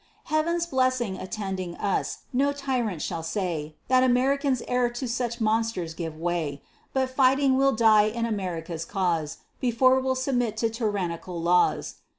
Heaven's blessing attending us, no tyrant shall say That Americans e'er to such monsters gave way, But fighting we'll die in America's cause Before we'll submit to tyrannical laws.